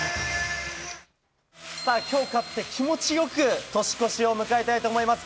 今日勝って気持ちよく年越しを迎えたいと思います。